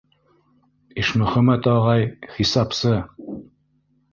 Ишмөхәмәт ағай, хисапсы...